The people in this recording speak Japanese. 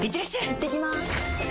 いってきます！